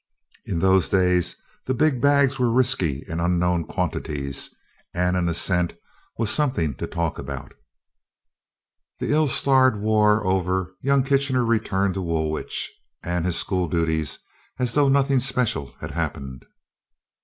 In those days, the big bags were risky and unknown quantities, and an ascent was something to talk about. The ill starred war over, young Kitchener returned to Woolwich, and his school duties as though nothing special had happened.